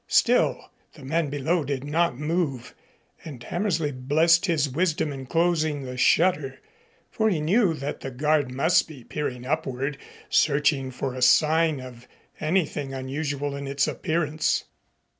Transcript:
Still the man below did not move and Hammersley blessed his wisdom in closing the shutter, for he knew that the guard must be peering upward, searching for a sign of anything unusual in its appearance.